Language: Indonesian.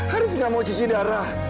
haris gak mau cuci darah